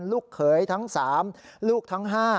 ลูกเขยทั้ง๓ลูกทั้ง๕